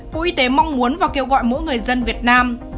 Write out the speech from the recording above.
bộ y tế mong muốn và kêu gọi mỗi người dân việt nam